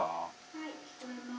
はい聞こえます。